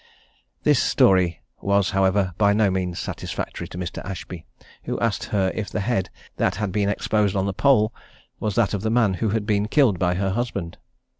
This story was, however, by no means satisfactory to Mr. Ashby, who asked her if the head that had been exposed on the pole was that of the man who had been killed by her husband?